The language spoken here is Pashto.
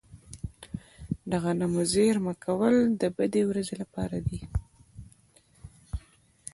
د غنمو زیرمه کول د بدې ورځې لپاره دي.